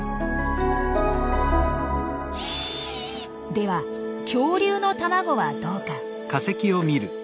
では恐竜の卵はどうか？